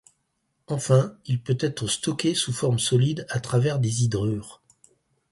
Enfin il peut être stocké sous forme solide à travers des hydrures.